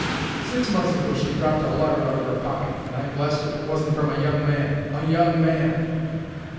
'Six months ago she dropped a letter out of 'er pocket, and I'm blest if it wasn't from a young man. A young man!'